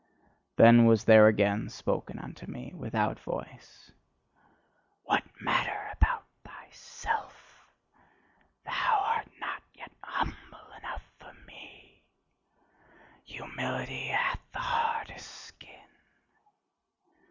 Then was there again spoken unto me without voice: "What matter about thyself? Thou art not yet humble enough for me. Humility hath the hardest skin."